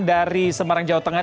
dari semarang jawa tengah